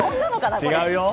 違うよ。